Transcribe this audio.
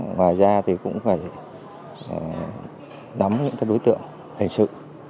ngoài ra thì cũng phải nắm những đối tượng hình sự